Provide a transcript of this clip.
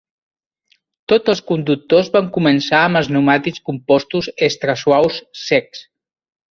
Tots els conductors van començar amb els pneumàtics compostos extra suaus secs.